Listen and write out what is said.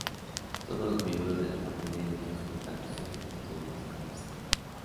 Todos los miembros de la familia y otros contactos cercanos deben ser revisados.